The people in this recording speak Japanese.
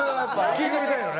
聞いてみたいのね？